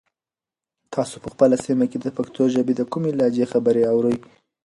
تاسو په خپله سیمه کې د پښتو ژبې د کومې لهجې خبرې اورئ؟